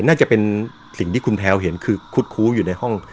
น่าจะเป็นสิ่งที่คุณแพลวเห็นคือคุดคู้อยู่ในห้อง